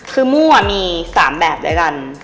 คือมั่วมี๓แบบด้วยกัน